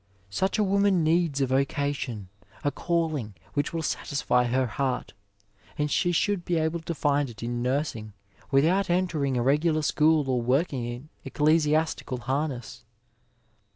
Such a woman needs a vocation, a calling which will satisfy her heart, and she should be able to find it in nursing without entering a regular school or working in ecclesiastical harness.